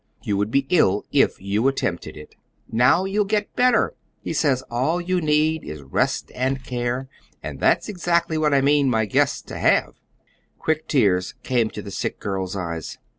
You would be ill if you attempted it. Now you'll get better. He says all you need is rest and care and that's exactly what I mean my guest shall have." Quick tears came to the sick girl's eyes.